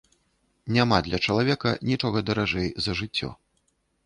Няма для чалавека нічога даражэй за жыццё.